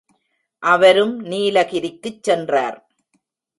அவரும் நீலகிரிக்குச் சென்றார்.